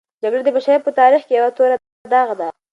جګړه د بشریت په تاریخ کې یوه توره داغ دی.